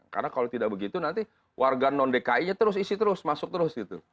karena kalau tidak begitu nanti warga non dki nya terus isi terus masuk terus gitu